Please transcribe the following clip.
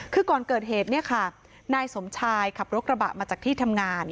คือก่อนเกิดเหตุเนี่ยค่ะนายสมชายขับรถกระบะมาจากที่ทำงาน